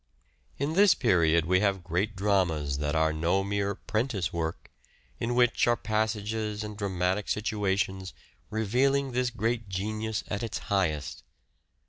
In this period we have great dramas that are no mere " prentice work," in which are passages and dramatic situations revealing this great genius at his highest.